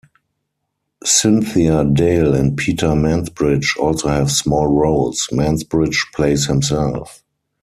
Cynthia Dale and Peter Mansbridge also have small roles; Mansbridge plays himself.